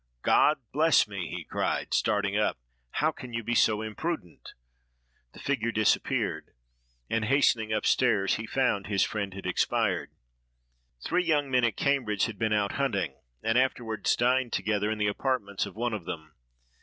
"God bless me!" he cried, starting up, "how can you be so imprudent?" The figure disappeared; and, hastening up stairs, he found his friend had expired. Three young men at Cambridge had been out hunting, and afterward dined together in the apartments of one of them.